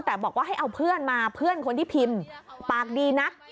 แต่บอกว่าให้เอาเพื่อนมาเพื่อนคนที่พิมพ์ปากดีนัก